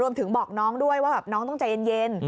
เพราะว่าน้องต้องใจเย็น